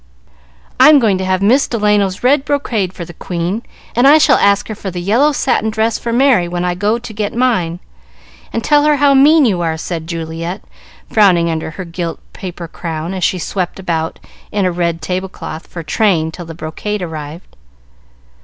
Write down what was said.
"I'm going to have Miss Delano's red brocade for the Queen, and I shall ask her for the yellow satin dress for Merry when I go to get mine, and tell her how mean you are," said Juliet, frowning under her gilt paper crown as she swept about in a red table cloth for train till the brocade arrived.